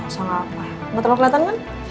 gak usah ngapa gak terlalu keliatan kan